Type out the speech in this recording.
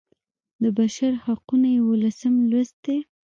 د بشر حقونه یوولسم لوست دی.